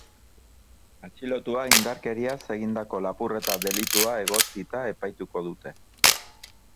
Atxilotua indarkeriaz egindako lapurreta delitua egotzita epaituko dute.